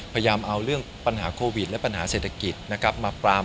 พยายามเอาเรื่องปัญหาโควิดและปัญหาเศรษฐกิจนะครับมาปราม